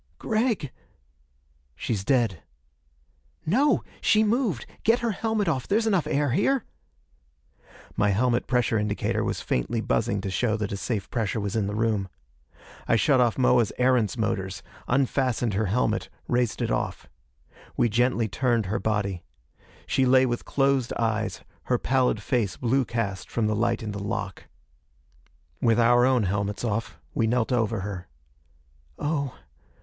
"Gregg!" "She's dead." "No! She moved! Get her helmet off! There's enough air here." My helmet pressure indicator was faintly buzzing to show that a safe pressure was in the room. I shut off Moa's Erentz motors, unfastened her helmet, raised it off. We gently turned her body. She lay with closed eyes, her pallid face blue cast from the light in the lock. With our own helmets off, we knelt over her. "Oh.